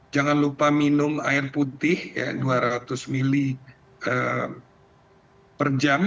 jangan lupa minum air putih dua ratus m per jam